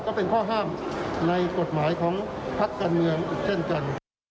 ก็เป็นข้อห้ามในกฎหมายของพักการเมืองอีกเช่นกัน